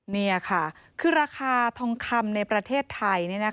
นี่ค่ะคือราคาทองคำในประเทศไทย